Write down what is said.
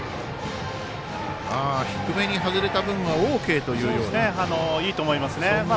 低めに外れた分はＯＫというようないいと思いますね。